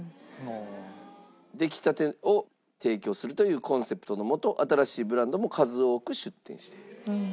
出来たてを提供するというコンセプトのもと新しいブランドも数多く出店している。